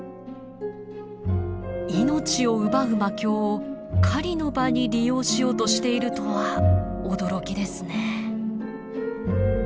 命を奪う魔境を狩りの場に利用しようとしているとは驚きですね。